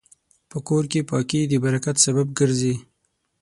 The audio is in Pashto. په کور کې پاکي د برکت سبب ګرځي.